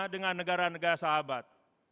dengan negara negara saham